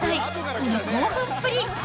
この興奮っぷり。